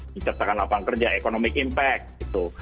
menciptakan lapangan kerja economic impact gitu